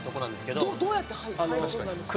どうやって入り込んだんですか？